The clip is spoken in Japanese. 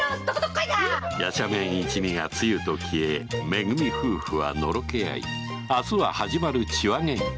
夜叉面一味が露と消えめ組夫婦はのろけ合い明日は始まる痴話ゲンカ